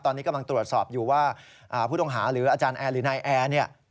ตอนนี้กำลังตรวจสอบอยู่ว่าผู้ต้องหาหรืออาจารย์แอร์หรือนายแอร์เนี่ย